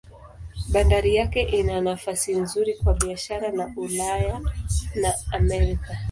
Bandari yake ina nafasi nzuri kwa biashara na Ulaya na Amerika.